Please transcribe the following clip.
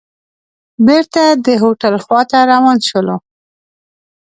بېرته د هوټل خوا ته روان شولو.